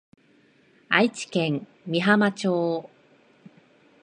愛知県美浜町